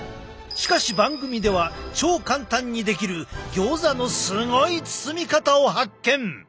しかし番組では超簡単にできるギョーザのすごい包み方を発見！